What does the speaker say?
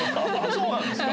そうなんすか。